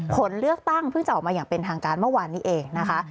ผลเลือกตั้งเพิ่งจะออกมาอย่างเป็นทางการเมื่อวานนี้เองนะคะ